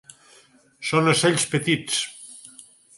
Són ocells petits.